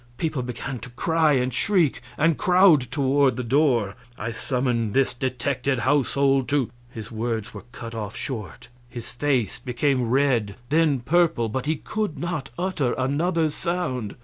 People began to cry and shriek and crowd toward the door. "I summon this detected household to " His words were cut off short. His face became red, then purple, but he could not utter another sound.